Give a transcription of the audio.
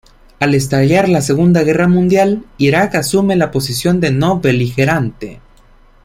Al estallar la Segunda Guerra Mundial, Irak asume la posición de no-beligerante.